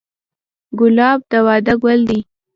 ګلاب د واده ګل دی.